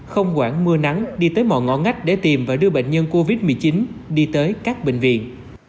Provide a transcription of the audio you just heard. không quản mưa nắng đi tới mọi ngõ ngách để tìm và đưa bệnh nhân covid một mươi chín đi tới các bệnh viện